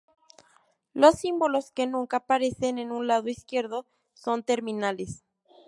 Los símbolos que nunca aparecen en un lado izquierdo son "terminales".